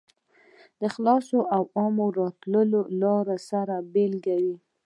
د خاصو او عامو راتلو لارې سره بېلې وې.